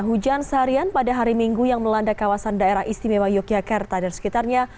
hujan seharian pada hari minggu yang melanda kawasan daerah istimewa yogyakarta dan sekitarnya